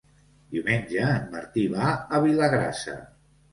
Diumenge en Martí va a Vilagrassa.